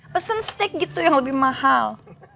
pesen steak gitu yang lebih mahal